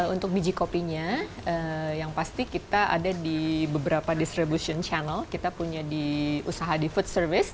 untuk biji kopinya yang pasti kita ada di beberapa distribution channel kita punya di usaha di food service